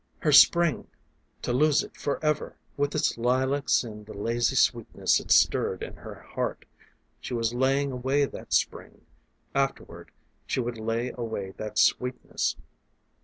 Her spring to lose it forever with its lilacs and the lazy sweetness it stirred in her heart. She was laying away that spring afterward she would lay away that sweetness.